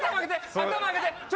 頭上げて。